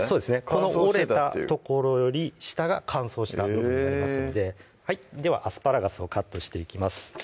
この折れた所より下が乾燥した部分になりますのでではアスパラガスをカットしていきます